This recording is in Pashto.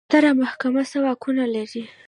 ستره محکمه څه واکونه لري؟